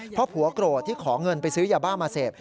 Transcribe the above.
เพราะผัวโกรธที่ขอเงินไปซื้อยาบ้ามาเสพ